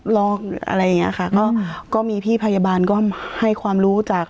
อะไรอย่างเงี้ยค่ะก็ก็มีพี่พยาบาลก็ให้ความรู้จาก